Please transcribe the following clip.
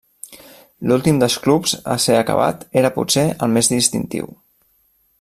L'últim dels clubs a ser acabat era potser el més distintiu.